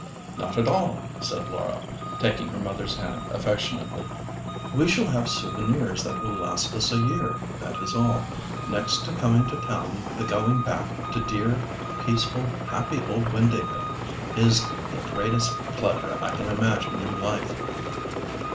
"Not at all," said Laura, taking her mother's hand affectionately. "We shall have souvenirs that will last us a year, that is all. Next to coming to town the going back to dear, peaceful, happy old Windāhgil is the greatest pleasure I can imagine in life."